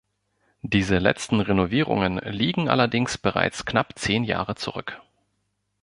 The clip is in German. Diese letzten Renovierungen liegen allerdings bereits knapp zehn Jahre zurück.